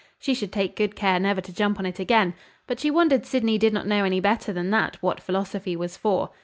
She should take good care never to jump on it again. But she wondered Sydney did not know any better than that what philosophy was for.